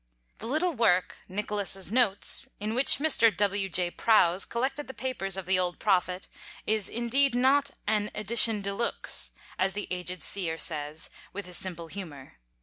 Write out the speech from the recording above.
The little work, "Nicholas's Notes," in which Mr. W. J. Prowse collected the papers of the old Prophet, is, indeed, not an "edition de looks," as the aged Seer says, with his simple humour.